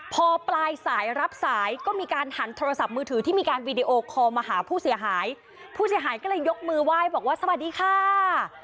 พอปลายสายรับสายก็มีการหันโทรศัพท์มือถือที่มีการวีดีโอคอลมาหาผู้เสียหายผู้เสียหายก็เลยยกมือไหว้บอกว่าสวัสดีค่ะ